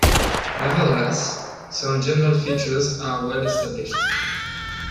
Nevertheless, some general features are well established.